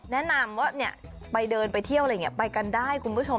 แนะนำว่าไปเดินไปเที่ยวอะไรอย่างนี้ไปกันได้คุณผู้ชม